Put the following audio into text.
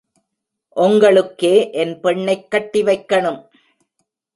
ஒங்களுக்கே என் பெண்ணைக் கட்டி வைக்கணும்.